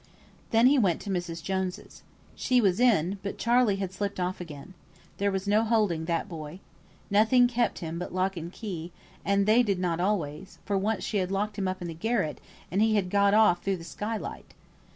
Then he went to Mrs. Jones's. She was in, but Charley had slipped off again. There was no holding that boy. Nothing kept him but lock and key, and they did not always; for once she had him locked up in the garret, and he had got off through the skylight.